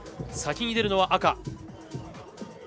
先に出るのは赤。